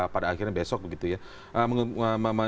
pada akhirnya besok begitu ya